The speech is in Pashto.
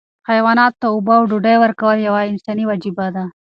حیواناتو ته اوبه او ډوډۍ ورکول یوه انساني وجیبه ده.